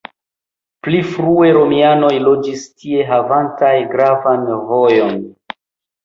Pli frue romianoj loĝis tie havantaj gravan vojon.